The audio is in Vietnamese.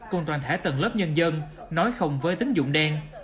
cùng toàn thể tầng lớp nhân dân nói không với tính dụng đen